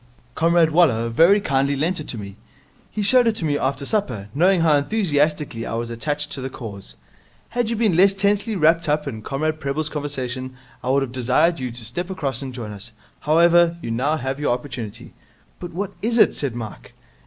'Comrade Waller very kindly lent it to me. He showed it to me after supper, knowing how enthusiastically I was attached to the Cause. Had you been less tensely wrapped up in Comrade Prebble's conversation, I would have desired you to step across and join us. However, you now have your opportunity.' 'But what is it?' asked Mike.